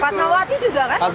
patmawati juga kan